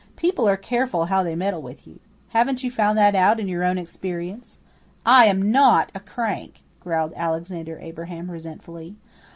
"People are careful how they meddle with you. Haven't you found that out in your own experience?" "I am NOT a crank," growled Alexander Abraham resentfully.